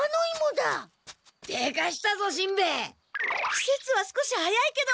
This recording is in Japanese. きせつは少し早いけど！